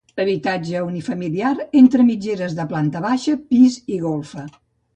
Habitatge unifamiliar entre mitgeres de planta baixa, pis i golfa.